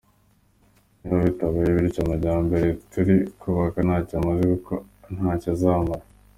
Niba bitabaye bitya amajyambere turi kubaka ntacyo amaze kuko ntacyo azamara.